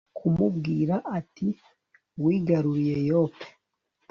kumubwira ati wigaruriye yope